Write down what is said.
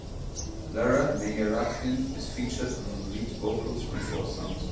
Lara Meyerratken is featured on lead vocals on four songs.